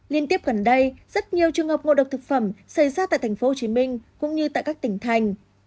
liên tiếp gần đây rất nhiều trường hợp ngộ độc thực phẩm xảy ra tại tp hcm cũng như tại các tỉnh thành